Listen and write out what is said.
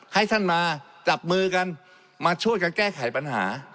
ให้ท่านมาจับมือกันมาช่วยกันแก้ไขปัญหา